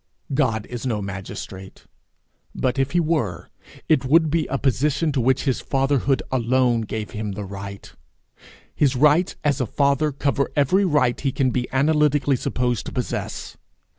God is no magistrate; but, if he were, it would be a position to which his fatherhood alone gave him the right; his rights as a father cover every right he can be analytically supposed to possess.